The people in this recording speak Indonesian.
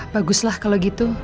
baguslah kalau gitu